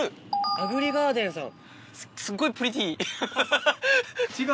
アグリガーデンさん。